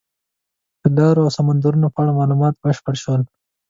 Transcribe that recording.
د لارو او سمندرونو په اړه معلومات بشپړ شول.